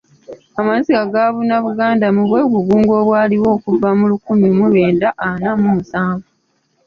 Amaziga gaabuna Buganda mu bwegugungo obwaliwo okuva mu lukumi mu lwenda ana mu musanvu.